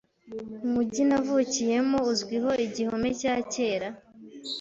Umujyi navukiyemo uzwiho igihome cya kera.